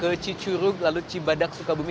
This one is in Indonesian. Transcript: ke cicurug lalu cibadak sukabumi